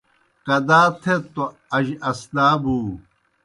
کدا تھیت توْ اج اسدا بُو۔